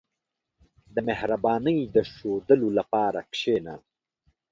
• د مهربانۍ د ښوودلو لپاره کښېنه.